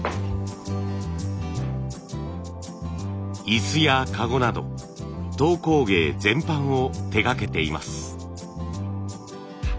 椅子や籠など籐工芸全般を手がけています。